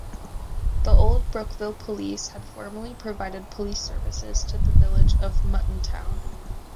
The Old Brookville Police had formerly provided police services to the Village of Muttontown.